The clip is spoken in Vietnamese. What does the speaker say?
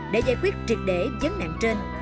để giải quyết triệt để vấn nạn trên